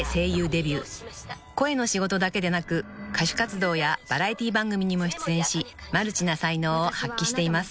［声の仕事だけでなく歌手活動やバラエティー番組にも出演しマルチな才能を発揮しています］